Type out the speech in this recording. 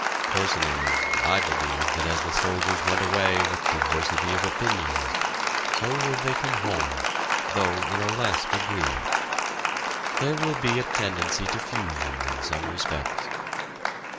Personally, I believe that as the soldiers went away with diversity of opinions, so will they come home, though in a less degree. There will be a tendency to fusion in some respects.